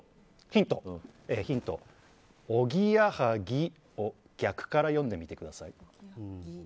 ヒント、おぎやはぎを逆から読んでみてください。